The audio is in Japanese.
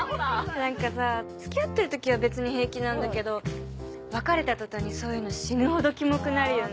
何かさ付き合ってる時は別に平気なんだけど別れた途端にそういうの死ぬほどキモくなるよね。